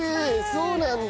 そうなんだ。